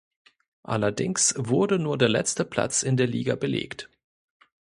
Allerdings wurde nur der letzte Platz in der Liga belegt.